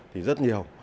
thì rất nhiều